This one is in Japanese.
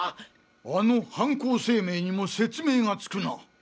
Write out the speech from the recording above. あの犯行声明にも説明がつくな。